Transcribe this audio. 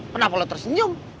kenapa lo tersenyum